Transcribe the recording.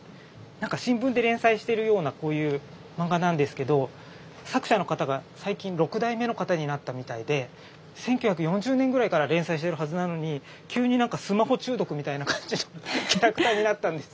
新聞で連載してるようなこういう漫画なんですけど作者の方が最近６代目の方になったみたいで１９４０年ぐらいから連載してるはずなのに急にスマホ中毒みたいな感じのキャラクターになったんです。